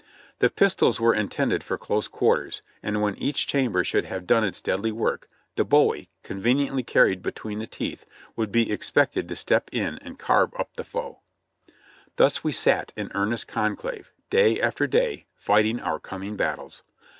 The pistols were in tended for close quarters, and when each chamber should have done its deadly work, the bowie, conveniently carried between the teeth, would be expected to step in and carve up the foe. Thus we sat in earnest conclave, day after day, fighting our coming battles.